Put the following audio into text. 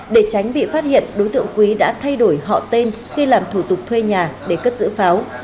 để tránh bị phát hiện đối tượng quý đã thay đổi họ tên khi làm thủ tục thuê nhà để cất giữ pháo